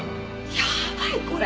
やばいこれ。